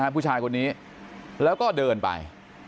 ผู้ชายคนนี้แล้วก็เดินไป